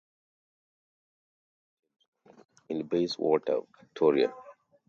Torus Games is located in Bayswater, Victoria.